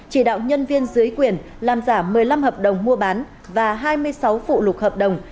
chỉ đạo nhân viên dưới quyền làm giả một mươi năm hợp đồng mua bán và hai mươi sáu phụ lục hợp đồng